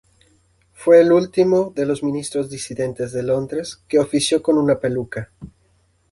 Fue el último de los ministros disidentes de Londres que ofició con una peluca.